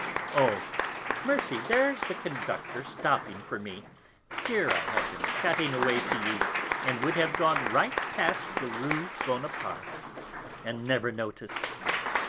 Oh, mercy, there's the conductor stopping for me; here have I been chatting away to you, and would have gone right past the Rue Bonaparte, and never noticed...